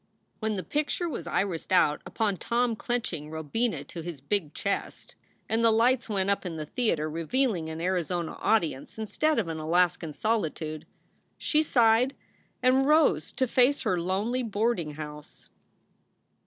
When the picture was irised out upon Tom clenching Robina to his big chest, and the lights went up in the theater, revealing an Arizona audience instead of an Alaskan soli tude, she sighed and rose to face her lonely boarding house.